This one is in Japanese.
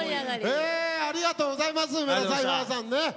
ありがとうございます梅田サイファーさんね。